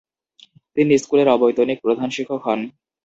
তিনি স্কুলের অবৈতনিক প্রধান শিক্ষক হন।